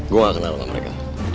gue gak kenal sama mereka